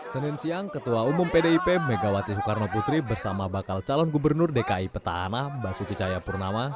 senin siang ketua umum pdip megawati soekarno putri bersama bakal calon gubernur dki petahana basuki cahayapurnama